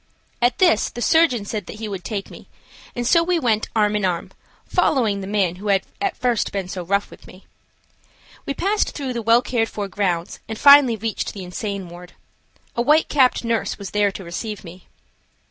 At this the surgeon said that he would take me, and so we went arm in arm, following the man who had at first been so rough with me. We passed through the well cared for grounds and finally reached the insane ward. A white capped nurse was there to receive me.